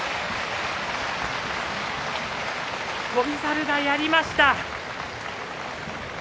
翔猿がやりました。